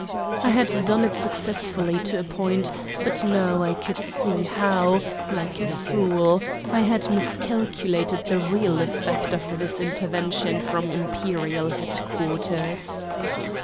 I had done it successfully to a point; but now I could see how, like a fool, I had miscalculated the real effect of this intervention from Imperial headquarters.